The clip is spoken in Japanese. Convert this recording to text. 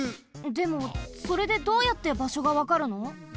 でもそれでどうやってばしょがわかるの？